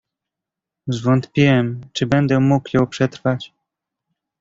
"Zwątpiłem czy będę mógł ją przetrwać."